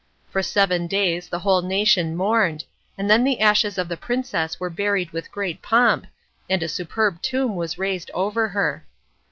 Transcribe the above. For seven days the whole nation mourned, and then the ashes of the princess were buried with great pomp, and a superb tomb was raised over her.